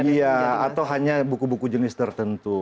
iya atau hanya buku buku jenis tertentu